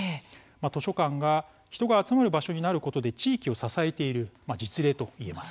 図書館が人が集まる場所になることで地域を支えている実例と言えます。